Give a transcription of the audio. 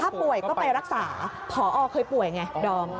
ถ้าป่วยก็ไปรักษาพอเคยป่วยไงดอม